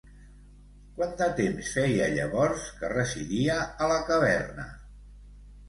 Quant de temps feia llavors que residia a la caverna?